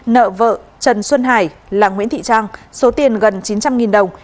nợ vợ trần xuân hải là nguyễn thị trang số tiền gần chín trăm linh đồng